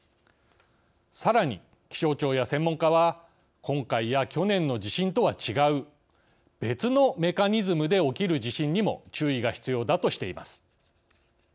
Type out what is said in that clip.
さらに気象庁や専門家は気象庁や専門家は今回や去年の地震とは違う別のメカニズムで起きる地震にも注意が必要だとしています。